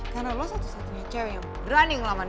karena lo satu satunya cewek yang berani ngelaman gue